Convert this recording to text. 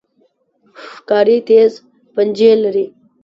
ښکاري تیز پنجې لري.